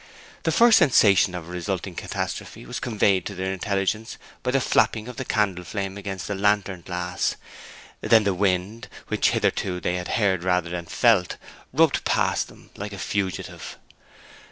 The first sensation of a resulting catastrophe was conveyed to their intelligence by the flapping of the candle flame against the lantern glass; then the wind, which hitherto they had heard rather than felt, rubbed past them like a fugitive.